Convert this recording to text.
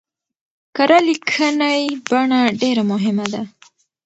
کره ليکنۍ بڼه ډېره مهمه ده.